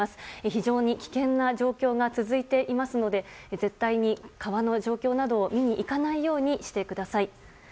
非常に危険な状況が続いていますので絶対に川の状況などを見に行かないようにしてください。